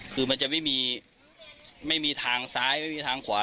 คือมันจะไม่มีไม่มีทางซ้ายไม่มีทางขวา